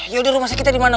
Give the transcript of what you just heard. yaudah rumah sakitnya dimana